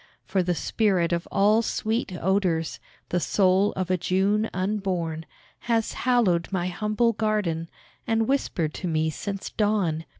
For the spirit of all sweet odours The soul of a June unborn Has hallowed my humble garden, And whispered to me since dawn.